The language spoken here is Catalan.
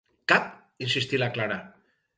Cap? —insistí la Clara.